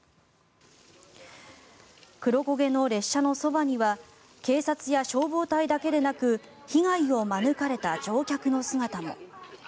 黒焦げの列車のそばには警察や消防隊だけでなく被害を免れた乗客の姿も。